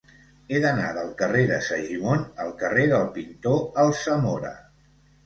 He d'anar del carrer de Segimon al carrer del Pintor Alsamora.